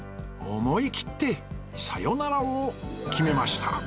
思いきってさよならを決めました